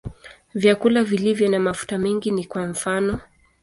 Vyakula vilivyo na mafuta mengi ni kwa mfano.